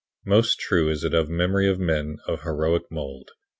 Most true is it of the memory of men of heroic mold.